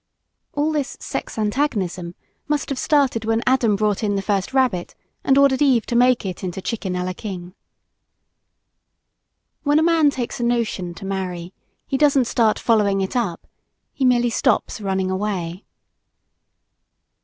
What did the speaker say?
All this "sex antagonism" must have started when Adam brought in the first rabbit and ordered Eve to make it into Chicken a la King. When a man takes a notion to marry, he doesn't start following it up he merely stops running away.